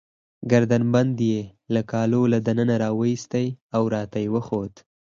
ګردن بند يې له کالو له دننه راوایستی، او راته يې وښود.